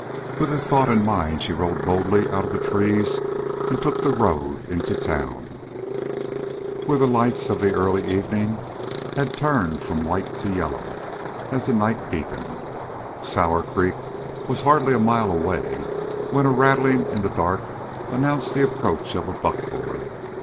With this thought in mind she rode boldly out of the trees and took the road into town, where the lights of the early evening had turned from white to yellow, as the night deepened. Sour Creek was hardly a mile away when a rattling in the dark announced the approach of a buckboard.